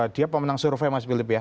dia pemenang survei mas philip ya